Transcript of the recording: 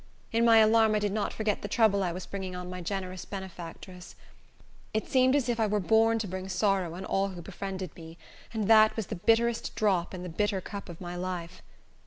In my alarm I did not forget the trouble I was bringing on my generous benefactress. It seemed as if I were born to bring sorrow on all who befriended me, and that was the bitterest drop in the bitter cup of my life.